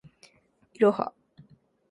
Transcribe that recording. いろは